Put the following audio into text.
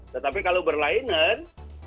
tetapi kalau berlainan